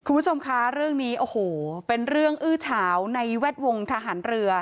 คุณผู้ชมคะเรื่องนี้โอ้โหเป็นเรื่องอื้อเฉาในแวดวงทหารเรือ